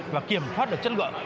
và kiểm thoát được chất gỡ